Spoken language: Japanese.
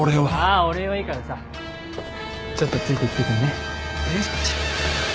あお礼はいいからさちょっとついてきてくんねえ？